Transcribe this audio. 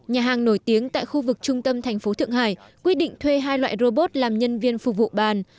nhà hàng nổi tiếng tại khu vực trung tâm thành phố thượng hải quyết định thuê hai loại robot làm nhân viên phục vụ bàn